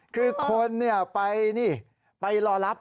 คือคนไปนี่ไปรอรับ